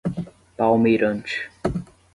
Palmeirante